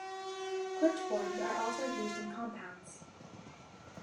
Clipped forms are also used in compounds.